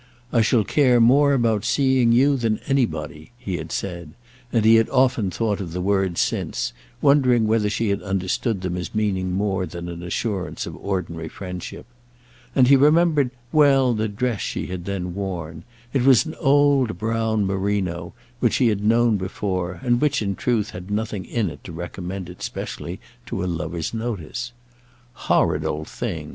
"I shall care more about seeing you than anybody," he had said; and he had often thought of the words since, wondering whether she had understood them as meaning more than an assurance of ordinary friendship. And he remembered well the dress she had then worn. It was an old brown merino, which he had known before, and which, in truth, had nothing in it to recommend it specially to a lover's notice. "Horrid old thing!"